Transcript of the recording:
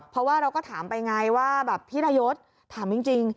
เพราะว่าเราก็ถามไปไงว่าแบบพี่ดายศถามจริง